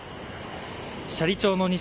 斜里町の西